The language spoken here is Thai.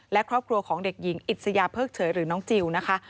และครอบครัวของเด็กหญิงอิสยาเพิกเฉยหรือน้องจิลนะคะ